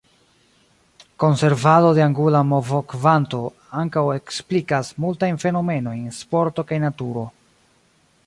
Konservado de angula movokvanto ankaŭ eksplikas multajn fenomenojn en sporto kaj naturo.